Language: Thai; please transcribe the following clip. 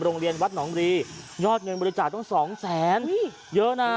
โรงเรียนวัดหนองรียอดเงินบริจาคต้องสองแสนเยอะนะ